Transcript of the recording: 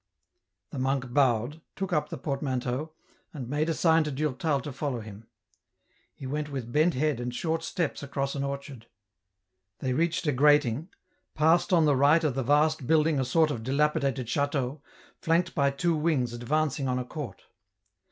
The monk bowed, took up the portmanteau, and made a sign to Durtal to follow him. He went with bent head and short steps across an orchard. They reached a grating, passed on the right of the vast building a sort of dilapidated chateau, flanked by two wings advancing on a court.